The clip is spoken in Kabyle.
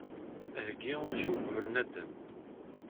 Heggi usu uqbel naddam.